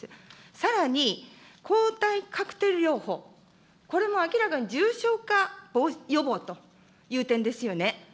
さらに抗体カクテル療法、これも明らかに重症化予防という点ですよね。